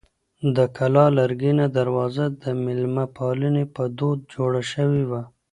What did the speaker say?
د کلا لرګینه دروازه د مېلمه پالنې په دود جوړه شوې وه.